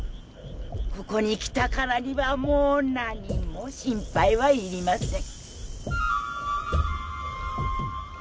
ここに来たからにはもう何も心配はいりません。